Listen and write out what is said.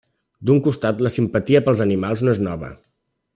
D'un costat, la simpatia pels animals no és nova.